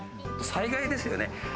災害ですよね。